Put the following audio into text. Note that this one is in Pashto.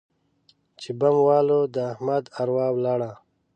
چې بم والوت؛ د احمد اروا ولاړه.